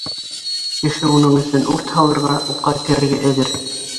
Кеше уның өсөн үрт һалырға, утҡа керергә әҙер